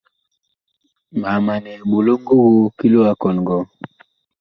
Mag manɛ eɓolo ngogoo ki loo a kɔn ngɔɔ.